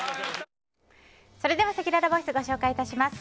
それでは、せきららボイスご紹介致します。